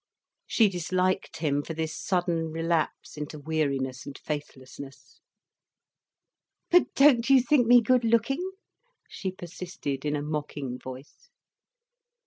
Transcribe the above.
She disliked him for this sudden relapse into weariness and faithlessness. "But don't you think me good looking?" she persisted, in a mocking voice.